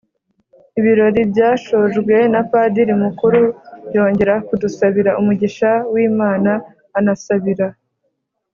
ibirori byashojwe na padiri mukuru, yongera kudusabira umugisha w’imana, anasabira